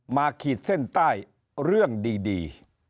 ขีดเส้นใต้เรื่องดี